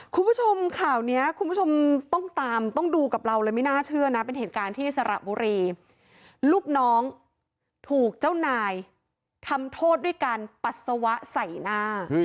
คุณผู้ชมข่าวนี้คุณผู้ชมต้องตามต้องดูกับเราเลยไม่น่าเชื่อนะเป็นเหตุการณ์ที่สระบุรีลูกน้องถูกเจ้านายทำโทษด้วยการปัสสาวะใส่หน้า